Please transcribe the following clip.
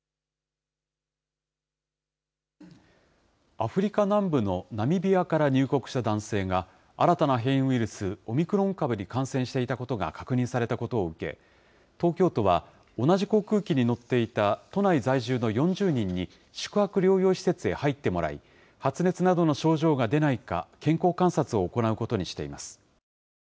アフリカ南部のナミビアから入国した男性が、新たな変異ウイルス、オミクロン株に感染していたことが確認されたことを受け、東京都は同じ航空機に乗っていた都内在住の４０人に、宿泊療養施設へ入ってもらい、発熱などの症状が出ないか、健康観察を行うことにしています。